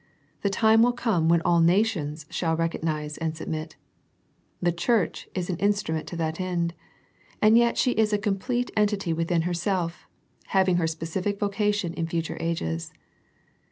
The time will come when all nations shall recognize and submit. The Church is an instrument to that end. And yet she is a complete entity within herself, having her spe cific vocation in future ages.